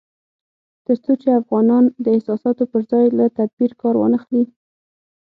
تر څو چې افغانان د احساساتو پر ځای له تدبير کار وانخلي